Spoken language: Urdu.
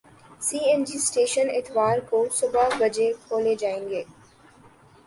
سی این جی اسٹیشن اتوار کو صبح بجے کھولے جائیں گے